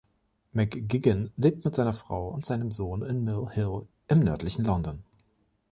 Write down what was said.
McGuigan lebt mit seiner Frau und seinem Sohn in Mill Hill im nördlichen London.